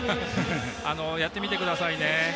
やってみてくださいね。